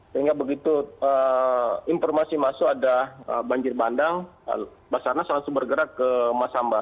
sehingga begitu informasi masuk ada banjir bandang basarnas langsung bergerak ke masamba